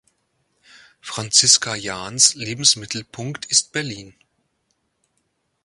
Franziska Jahns Lebensmittelpunkt ist Berlin.